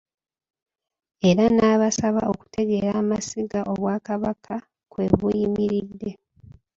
Era n'abasaba okutegeera amasiga Obwakabaka kwe buyimiridde.